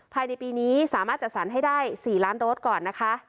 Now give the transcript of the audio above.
ภายในปีนี้สามารถจัดสรรให้ได้๔ล้านโดสก่อนนะคะ